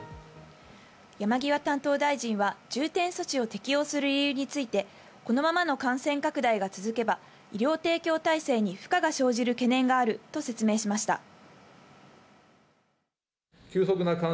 山際担当大臣は重点措置を適用する理由について、このままの感染拡大が続けば医療提供体制に負荷が生じる可能性があると説明しました。